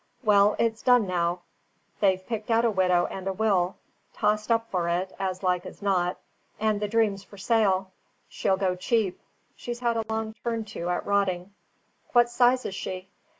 Well, it's done now; they've picked out a widow and a will; tossed up for it, as like as not; and the Dream's for sale. She'll go cheap; she's had a long turn to at rotting." "What size is she?"